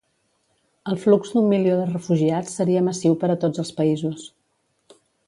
El flux d'un milió de refugiats seria massiu per a tots els països.